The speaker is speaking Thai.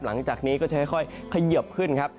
หลังจากนี้ก็จะค่อยเขยิบขึ้นครับ